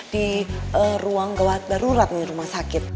di ruang gawat barurat rumah sakit